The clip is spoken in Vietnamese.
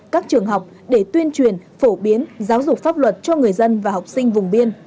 các trường học để tuyên truyền phổ biến giáo dục pháp luật cho người dân và học sinh vùng biên